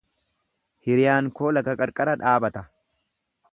Hiriyaan koo laga qarqara dhaabata.